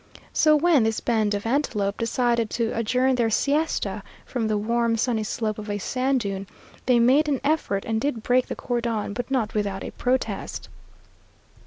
So when this band of antelope decided to adjourn their siesta from the warm, sunny slope of a sand dune, they made an effort and did break the cordon, but not without a protest.